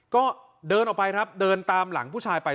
ก็เดินออกไปครับเดินตามหลังผู้ชายไป